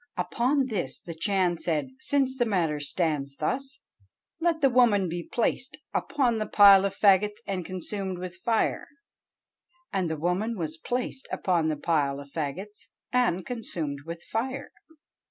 Upon this the Chan said, 'Since the matter stands thus, let the woman be placed upon the pile of fagots and consumed with fire.' And the woman was placed upon the pile of fagots and consumed with fire."